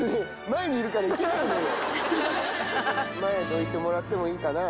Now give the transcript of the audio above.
前どいてもらってもいいかな？